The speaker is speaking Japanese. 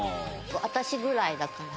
私ぐらいだから。